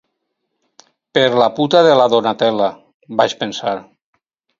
Per la puta de la Donatella, vaig pensar.